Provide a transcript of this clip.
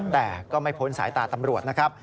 แต่ก็ไม่พ้นสายตาตำรวจนะครับ